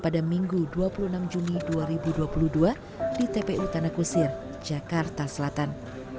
pada minggu dua puluh enam juni dua ribu dua puluh dua di tpu tanah kusir jakarta selatan